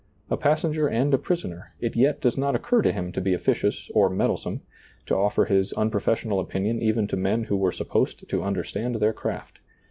A passenger and a prisoner, it yet does not occur to him to be officious or meddlesome, to ofler his unprofessional opinion even to men who were supposed to understand their craSi.